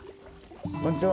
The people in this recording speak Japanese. こんにちは。